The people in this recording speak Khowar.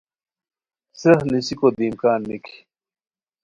څریخ نیسیکو دی امکان نِکی